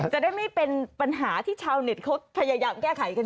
จะได้ไม่เป็นปัญหาที่ชาวเน็ตเขาพยายามแก้ไขกัน